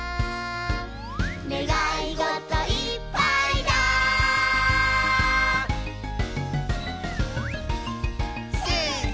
「ねがいごといっぱいだ」せの！